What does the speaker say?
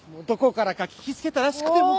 どこからか聞き付けたらしくて。